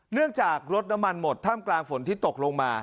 จากรถน้ำมันหมดท่ามกลางฝนที่ตกลงมา